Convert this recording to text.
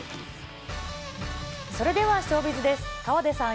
それではショービズです。